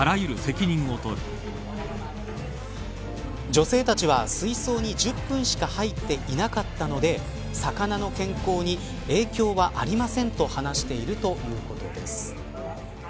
女性たちは水槽に１０分しか入っていなかったので魚の健康に影響はありませんと話しているということです。